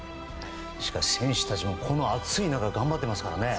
しかし選手たちもこの暑い中頑張っていますからね。